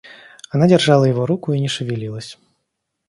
Она держала его руку и не шевелилась.